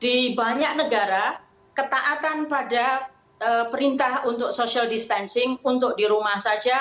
di banyak negara ketaatan pada perintah untuk social distancing untuk di rumah saja